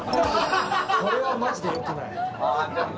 これはマジでよくない！